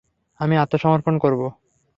আমি আত্মসমর্পণ করব।